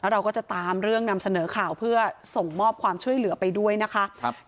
เราก็จะตามเรื่องนำเสนอข่าวเพื่อส่งมอบความช่วยเหลือไปด้วยนะคะ